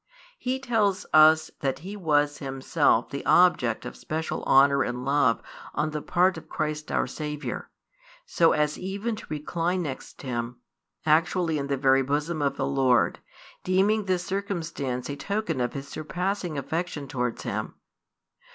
He tells us that he was himself the object of special honour and love on the part of Christ our Saviour, so as even to recline next Him, actually in the very bosom of the Lord, deeming this circumstance a token of His surpassing affection towards him.